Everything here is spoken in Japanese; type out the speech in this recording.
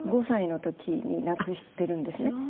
５歳の時に亡くしてるんですね。